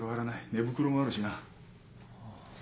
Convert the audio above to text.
寝袋もあるしな。